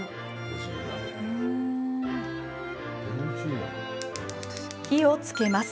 火をつけます。